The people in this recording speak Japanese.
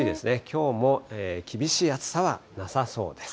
きょうも厳しい暑さはなさそうです。